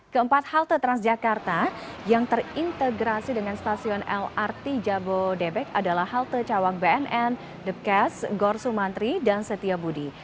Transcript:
keempat halte transjakarta yang terintegrasi dengan stasiun lrt jabodebek adalah halte cawang bnn depkes gorsumantri dan setia budi